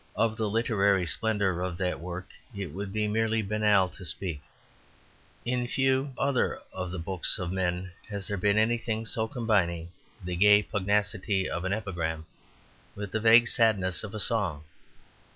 Of the literary splendour of that work it would be merely banal to speak; in few other of the books of men has there been anything so combining the gay pugnacity of an epigram with the vague sadness of a song.